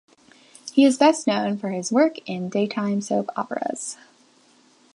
He is best known for his work in daytime soap operas.